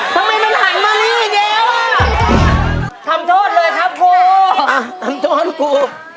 ทำไมมันหันมานี่อีกแล้วอ่ะทำโทษเลยครับกูอ่ะทำโทษกู